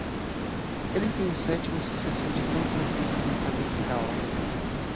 Ele foi o sétimo sucessor de São Francisco na cabeça da ordem.